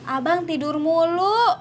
abang tidur mulu